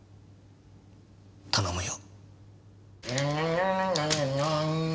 頼むよ。